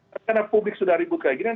karena publik sudah ribut kayak ginian